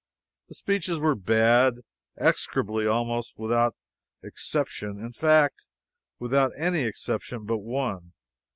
The speeches were bad execrable almost without exception. In fact, without any exception but one.